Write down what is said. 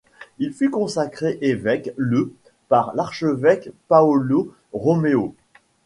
Il fut consacré évêque le par l'archevêque Paolo Romeo.